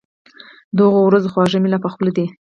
د هغو ورځو خواږه مي لا په خوله دي